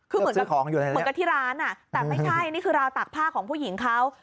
คือเหมือนกับที่ร้านแต่ไม่ใช่นี่คือราวตากผ้าของผู้หญิงเขา